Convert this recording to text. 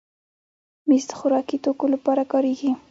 مېز د خوراکي توکو لپاره کارېږي.